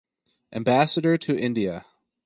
Ambassador to India.